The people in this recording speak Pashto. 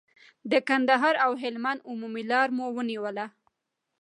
د کندهار او هلمند عمومي لار مو ونیوله.